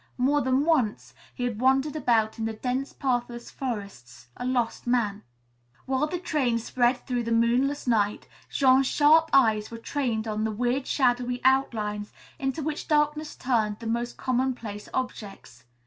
More than once he had wandered about in the dense, pathless forests, a lost man. While the train sped through the moonless night, Jean's sharp eyes were trained on the weird, shadowy outlines into which darkness turns the most commonplace objects.